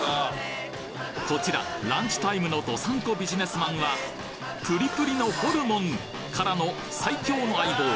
こちらランチタイムの道産子ビジネスマンはプリプリのホルモンからの最強の相棒